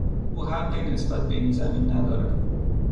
او حقی نسبت به این زمین ندارد.